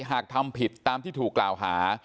หากทำผิดตามที่ถูกกล่าวหา